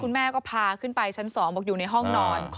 แม่ก็พาขึ้นไปชั้น๒บอกอยู่ในห้องนอน